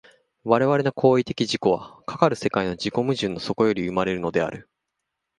我々の行為的自己は、かかる世界の自己矛盾の底より生まれるのである。